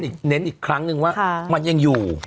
เน้นอีกครั้งนึงว่ามันยังอยู่